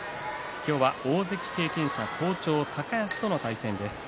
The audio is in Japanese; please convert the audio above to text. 今日は大関経験者の好調高安との対戦です。